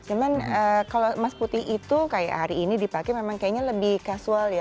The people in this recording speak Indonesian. cuman kalau emas putih itu kayak hari ini dipakai memang kayaknya lebih casual ya